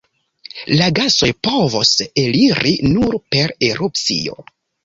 La gasoj povos eliri nur per erupcio.